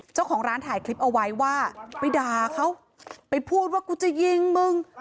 เจ้าของร้านถ่ายคลิปเอาไว้ว่าไปด่าเขาไปพูดว่ากูจะยิงมึง